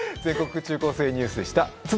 中高生ニュース」でした。